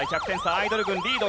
アイドル軍リード。